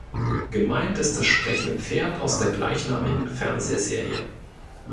Gemeint ist das sprechende Pferd aus der gleichnamigen Fernsehserie.